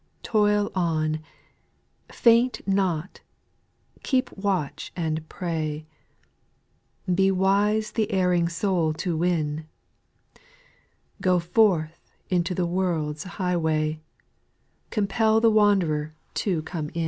6. Toil on, faint not, keep watch and pray ; Be wise the erring soul to win ; i Go forth into the world's highway, I Compel the wanderer to eo\sift \Ti.